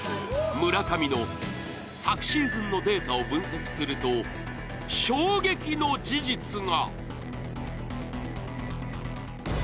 村上の、昨シーズンのデータを分析すると衝撃の事実が！